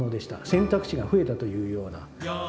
選択肢が増えたというような。